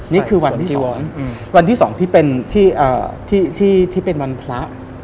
นี่คือวันที่สองที่เป็นวันพระ